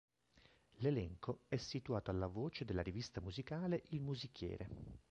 L'elenco è situato alla voce della rivista musicale Il Musichiere.